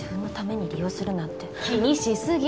気にしすぎ。